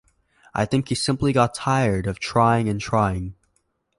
I think that he simply got tired of trying and trying.